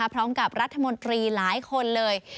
พร้อมกับรัฐมนตรีหลายคนเลย